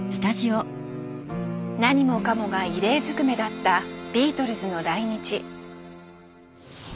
何もかもが異例ずくめだったビートルズの来日。